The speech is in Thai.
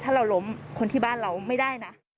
ถ้าเราล้มคนที่บ้านเราไม่ได้นะ